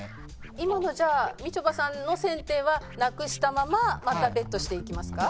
今のじゃあみちょぱさんの１０００点はなくしたまままたベットしていきますか？